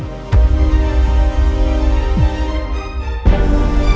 saya mau pergi